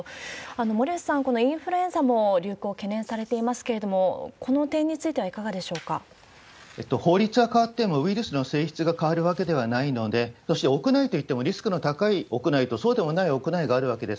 森内さん、このインフルエンザも流行懸念されていますけれども、この点についてはいかがで法律は変わっても、ウイルスの性質が変わるわけではないので、もし屋内といっても、リスクの高い屋内とそうでもない屋内があるわけです。